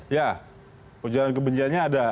ya ujaran kebenciannya ada